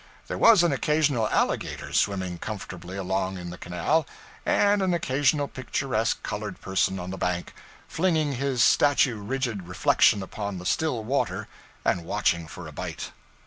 There was an occasional alligator swimming comfortably along in the canal, and an occasional picturesque colored person on the bank, flinging his statue rigid reflection upon the still water and watching for a bite.